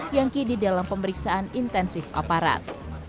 yang kini dalam pemeriksaan intensif aparat